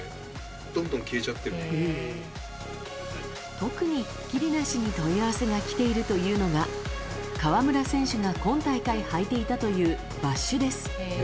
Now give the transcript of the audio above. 特にひっきりなしに問い合わせが来ているというのは河村選手が今大会履いていたというバッシュです。